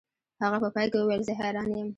هغه په پای کې وویل زه حیران یم